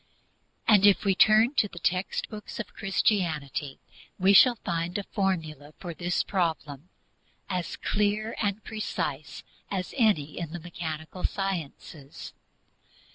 And if we turn to the text books of Christianity we shall find a formula for this problem as clear and precise as any in the mechanical sciences.